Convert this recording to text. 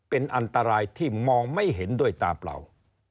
เป็นอันตรายที่มองไม่เห็นด้วยตาเปล่า